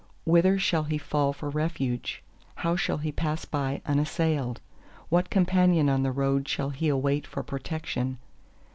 Whither shall he fall for refuge—how shall he pass by unassailed? What companion on the road shall he await for protection?